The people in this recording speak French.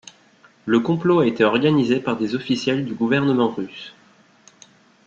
Le complot a été organisé par des officiels du gouvernement russe.